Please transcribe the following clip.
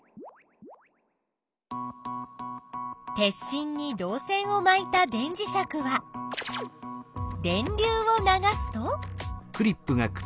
鉄しんに導線をまいた電磁石は電流を流すと？